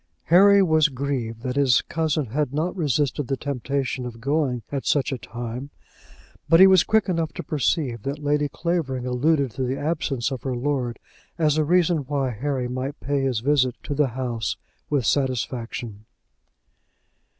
Harry was grieved that his cousin had not resisted the temptation of going at such a time, but he was quick enough to perceive that Lady Clavering alluded to the absence of her lord as a reason why Harry might pay his visit to the house with satisfaction.